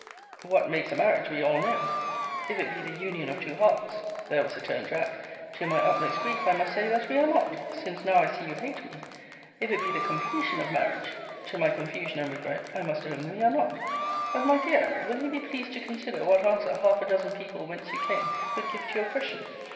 Lovel. What makes a marriage, we all know. If it be the union of two hearts, [there was a turn, Jack!] to my utmost grief, I must say that we are not; since now I see you hate me. If it be the completion of marriage, to my confusion and regret, I must own we are not. But, my dear, will you be pleased to consider what answer half a dozen people whence you came, could give to your question?